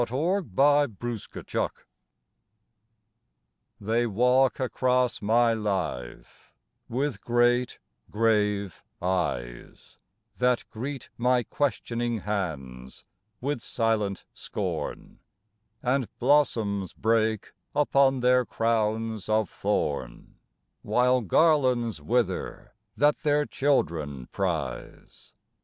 102 IX PASSING DAYS THEY walk across my life with great, grave eyes That greet my questioning hands with silent scorn And blossoms break upon their crowns of thorn, While garlands wither that their children prize.